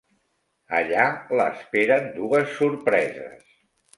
Allà l'esperen dues sorpreses.